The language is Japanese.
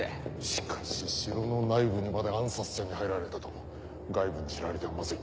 しかし城の内部にまで暗殺者に入られたと外部に知られてはマズい。